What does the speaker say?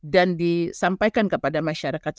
dan disampaikan kepada masyarakat